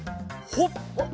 ほっ！